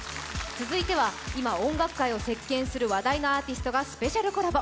続いては今音楽界を席けんする話題のアーティストがスペシャルコラボ。